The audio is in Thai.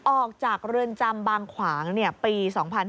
ออกจากเรือนจำบางขวางปี๒๕๕๙